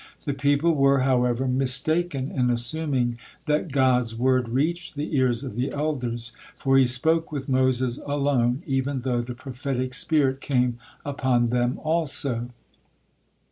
The people were however mistaken in assuming that God's word reached the ears of the elders, for He spoke with Moses alone, even though the prophetic spirit came upon them also.